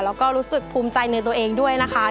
แล้วก็รู้สึกภูมิใจในตัวเองด้วยนะคะ